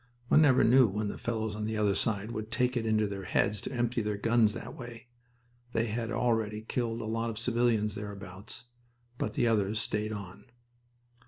(One never knew when the fellows on the other side would take it into their heads to empty their guns that way. They had already killed a lot of civilians thereabouts, but the others stayed on.)